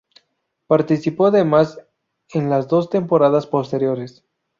Participó además en las dos temporadas posteriores.